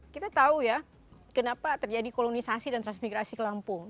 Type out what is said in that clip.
kita tahu ya kenapa terjadi kolonisasi dan transmigrasi ke lampung